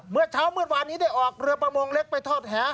เมื่อเช้ามืดวานนี้ได้ออกเรือประมงเล็กไปทอดแห